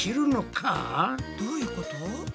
どういうこと？